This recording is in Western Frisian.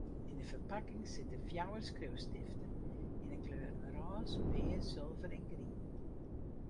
Yn in ferpakking sitte fjouwer skriuwstiften yn 'e kleuren rôs, pears, sulver en grien.